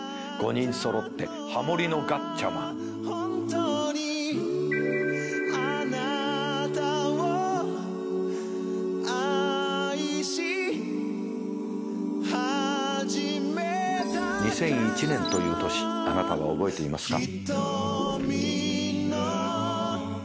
５人揃って「ハモリのガッチャマン」２００１年という年あなたは覚えていますか？